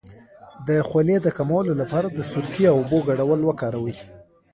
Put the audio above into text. د خولې د کمولو لپاره د سرکې او اوبو ګډول وکاروئ